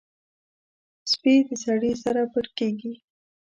سپي د سړي سره پټ کېږي.